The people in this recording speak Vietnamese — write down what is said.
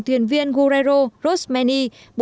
thuyền viên guerrero rosmany